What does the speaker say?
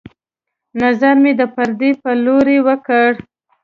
نظر مې د پردې په لورې وکړ